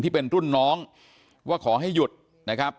ที่เป็นรุ่นน้องว่าขอให้หยุดนะครับ